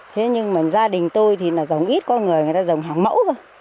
thế nhưng mà gia đình tôi thì là giống ít con người người ta giống hàng mẫu cơ